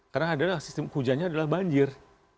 karena adalah sistem hujannya adalah banjir